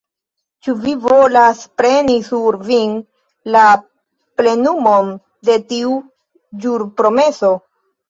ĉu vi volas preni sur vin la plenumon de tiu ĵurpromeso?